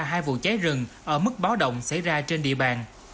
hai vụ cháy rừng ở mức báo động xảy ra trên địa bàn